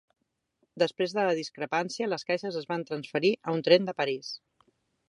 Després de la discrepància, les caixes es van transferir a un tren de París.